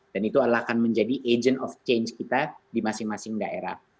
dan itu akan menjadi agent of change kita di masing masing daerah